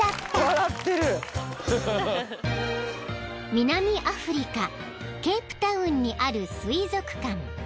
［南アフリカケープタウンにある］